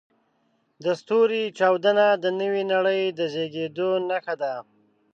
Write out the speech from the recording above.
د ستوري چاودنه د نوې نړۍ د زېږېدو نښه ده.